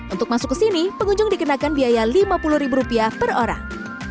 untuk masuk ke sini pengunjung dikenakan biaya rp lima puluh per orang